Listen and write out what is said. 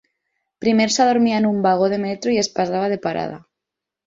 Primer s'adormia en un vagó de metro i es passava de parada.